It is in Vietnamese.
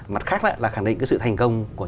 mặt khác là khẳng định cái sự thành công của